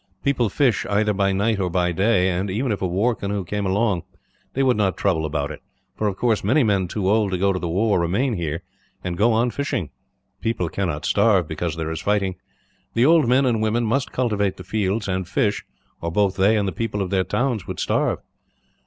People fish either by night or by day and, even if a war canoe came along, they would not trouble about it for, of course, many men too old to go to the war remain here, and go on fishing. People cannot starve because there is fighting. The old men and women must cultivate the fields and fish, or both they and the people of the towns would starve.